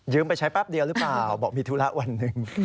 ไปใช้แป๊บเดียวหรือเปล่าบอกมีธุระวันหนึ่ง